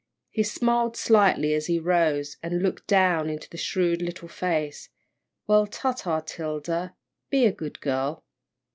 He smiled slightly as he rose, and looked down into the shrewd little face, "Well, ta, ta, 'Tilda be a good girl."